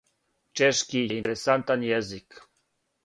Чешки је интересантан језик.